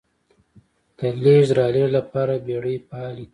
د لېږد رالېږد لپاره بېړۍ فعالې کړې.